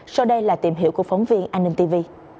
sau đây là tìm hiểu của phóng viên an ninh tv